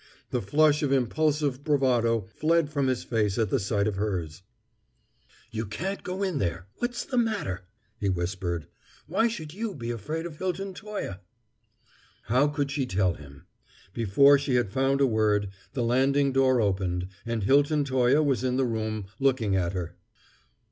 The flush of impulsive bravado fled from his face at the sight of hers. "You can't go in there. What's the matter?" he whispered. "Why should you be afraid of Hilton Toye?" How could she tell him? Before she had found a word, the landing door opened, and Hilton Toye was in the room, looking at her.